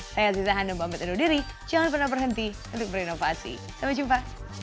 saya aziza hanum pamit undur diri jangan pernah berhenti untuk berinovasi sampai jumpa